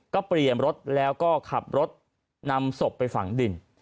ก็เปลี่ยนรถแล้วก็ขับรถนำศพไปฝังดิน